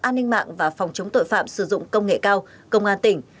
an ninh mạng và phòng chống tội phạm sử dụng công nghệ cao công an tỉnh